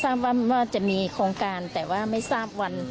ทราบว่ามันว่าจะมีโครงการแต่ว่าไม่ทราบวัน